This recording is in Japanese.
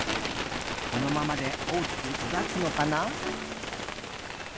このままで大きくそだつのかな？